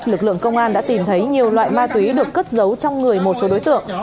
lực lượng công an đã tìm thấy nhiều loại ma túy được cất giấu trong người một số đối tượng